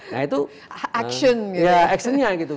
nah itu actionnya gitu